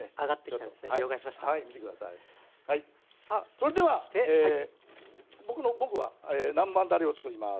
それでは僕は南蛮だれをつくります。